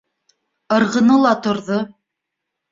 Ырғыны ла торҙо: